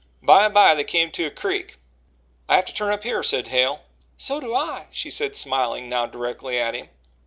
By and by they came to a creek. "I have to turn up here," said Hale. "So do I," she said, smiling now directly at him.